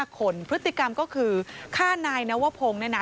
๕คนพฤติกรรมก็คือฆ่านายนวพงศ์เนี่ยนะ